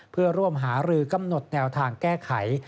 เพื่อร่วมหารือกำหนดแนวทางแก้ไข